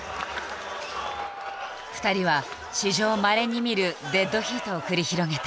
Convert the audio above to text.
２人は史上まれに見るデッドヒートを繰り広げた。